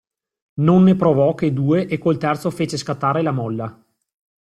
Non ne provò che due e col terzo fece scattare la molla.